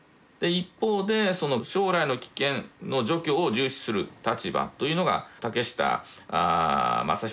一方で「将来の危険の除去」を重視する立場というのが竹下正彦中佐。